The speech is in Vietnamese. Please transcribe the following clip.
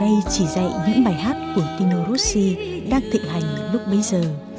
hôm nay chỉ dạy những bài hát của tino rossi đang thực hành lúc bấy giờ